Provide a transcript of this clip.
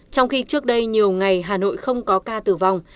trong khi trước đây nhiều ngày hà nội không có ca tử vong